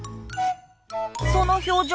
その表情